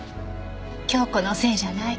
京子のせいじゃない。